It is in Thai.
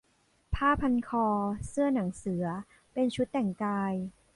ผ้าพันคอ เสื้อหนังเสือ เป็นชุดแต่งกาย